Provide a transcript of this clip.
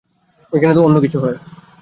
ঐখানে তো অন্যকিছু হয়।